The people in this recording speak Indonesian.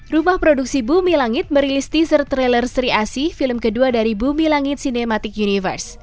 rumah produksi bumi langit merilis teaser trailer sri asi film kedua dari bumi langit cinematic universe